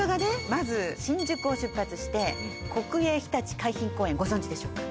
まず新宿を出発して国営ひたち海浜公園ご存じでしょうか？